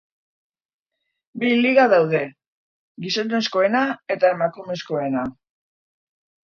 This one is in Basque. Bi Liga daude: gizonezkoena eta emakumezkoena.